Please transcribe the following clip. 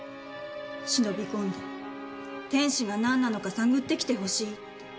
忍び込んで天使が何なのか探ってきてほしいって。